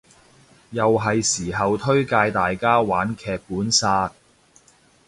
又係時候推介大家玩劇本殺